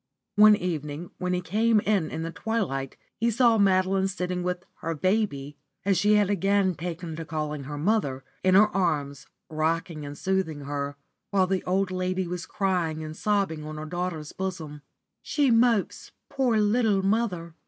One evening, when he came in in the twilight, he saw Madeline sitting with "her baby," as she had again taken to calling her mother, in her arms, rocking and soothing her, while the old lady was drying and sobbing on her daughter's bosom. "She mopes, poor little mother!"